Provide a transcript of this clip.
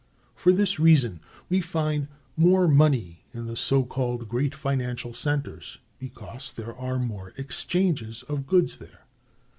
For this reason, we find more money in the so called great financial centers, because there are more exchanges of goods there.